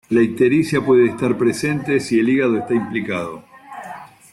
La ictericia puede estar presente si el hígado está implicado.